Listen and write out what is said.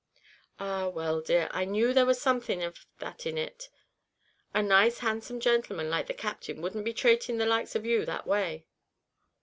"Ah! well dear, I knew there was something av that in it, and a nice handsome gentleman like the Captain wouldn't be trating the likes of you that way."